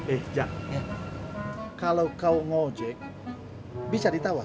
eh jak kalau kau ngojek bisa ditawar